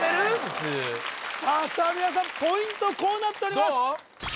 普通さあさあ皆さんポイントこうなっております